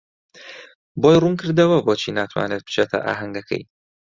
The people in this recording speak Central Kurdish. بۆی ڕوون کردەوە بۆچی ناتوانێت بچێتە ئاهەنگەکەی.